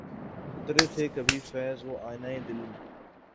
اترے تھے کبھی فیضؔ وہ آئینۂ دل میں